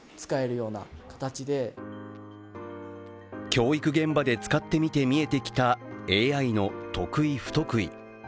教育現場で使ってみて見えてきたＡＩの得意不得意。